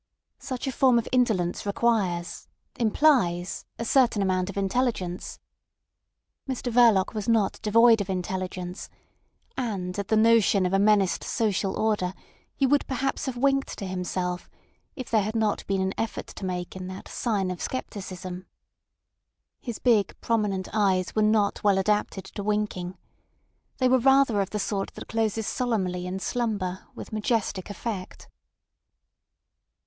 Such a form of indolence requires, implies, a certain amount of intelligence. Mr Verloc was not devoid of intelligence—and at the notion of a menaced social order he would perhaps have winked to himself if there had not been an effort to make in that sign of scepticism. His big, prominent eyes were not well adapted to winking. They were rather of the sort that closes solemnly in slumber with majestic effect.